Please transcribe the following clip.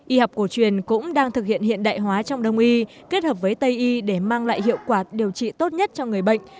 y học cổ truyền cũng đang thực hiện hiện đại hóa trong đông y kết hợp với tây y để mang lại hiệu quả điều trị tốt nhất cho người bệnh